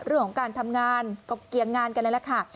เรื่องของการทำงานก็เกียงงานกันเลยล่ะค่ะ